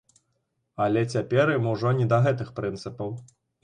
Але цяпер ім ужо не да гэтых прынцыпаў.